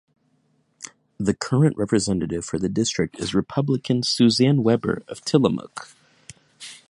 The current representative for the district is Republican Suzanne Weber of Tillamook.